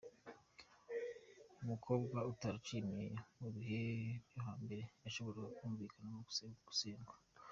Umukobwa utaraciye imyeyo mu bihe byo hambere byashoboraga kumuviramo gusendwa.